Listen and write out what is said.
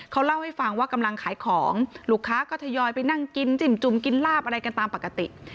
เขาเล่าให้ฟังว่ากำลังขายของลูกค้าก็ทยอยไปนั่งกินจิ้มจุ่มกินลาบอะไรกันตามปกติ